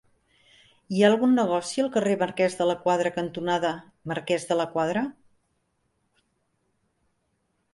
Hi ha algun negoci al carrer Marquès de la Quadra cantonada Marquès de la Quadra?